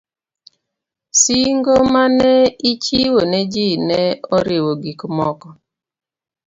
Singo ma ne ichiwo ne ji ne oriwo gik moko